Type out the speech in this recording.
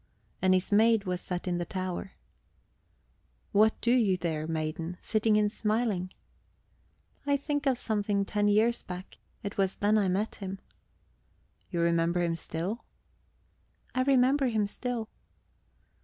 And his maid was set in the tower... "What do you there, maiden, sitting and smiling?" "I think of something ten years back. It was then I met him." "You remember him still?" "I remember him still."